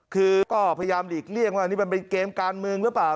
คือก็พยายามหลีกเลี่ยงว่านี่มันเป็นเกมการเมืองหรือเปล่า